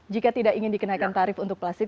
jika tidak ingin dikenaikan tarif untuk plastik